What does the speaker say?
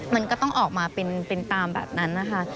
มันก็ต้องออกมาเป็นตามแบบนั้นนะคะ